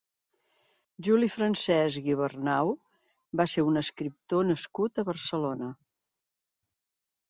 Juli Francesc Guibernau va ser un escriptor nascut a Barcelona.